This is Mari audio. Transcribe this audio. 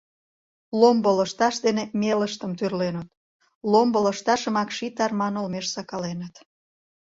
Ломбо лышташ дене мелыштым «тӱрленыт», ломбо лышташымак ший тарман олмеш сакаленыт.